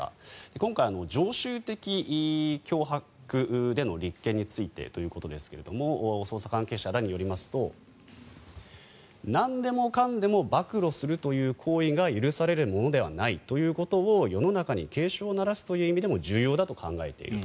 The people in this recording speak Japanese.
今回、常習的脅迫での立件についてということですが捜査関係者らによりますとなんでもかんでも暴露するという行為が許されるものではないということを世の中に警鐘を鳴らすという意味でも重要だと考えていると。